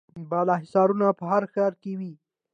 بالاحصارونه په هر ښار کې وو